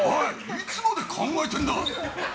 いつまで考えてんだ！